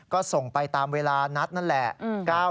ก็ส่งไปตามเวลานัดนั่นแหละ